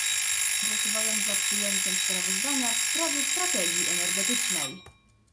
Głosowałem za przyjęciem sprawozdania w sprawie strategii energetycznej